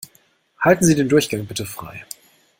Halten Sie den Durchgang bitte frei!